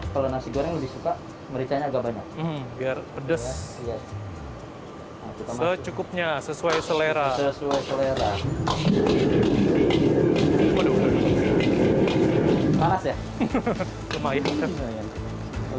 kalau nasi goreng lebih suka merica nya agak banyak biar pedes secukupnya sesuai selera sesuai selera